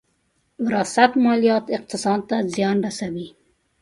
وراثت ماليات اقتصاد ته زیان رسوي.